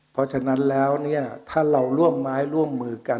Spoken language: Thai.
เพราะฉะนั้นแล้วเนี่ยถ้าเราร่วมไม้ร่วมมือกัน